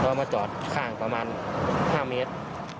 เขามาจอดข้างประมาณ๕เมตร